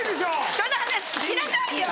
人の話聞きなさいよ！